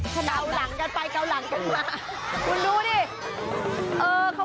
เกาหลังกลับไปเกาหลังมา